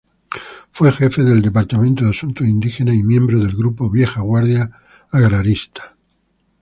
Fue jefe del departamento de asuntos indígenas y miembro del grupo "Vieja Guardia Agrarista".